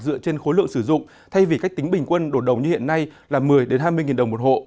dựa trên khối lượng sử dụng thay vì cách tính bình quân đột đồng như hiện nay là một mươi hai mươi nghìn đồng một hộ